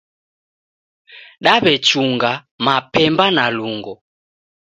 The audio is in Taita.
Daw'echunga mapemba na lungo